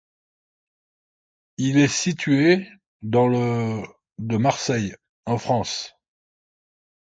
Il est situé dans le de Marseille, en France.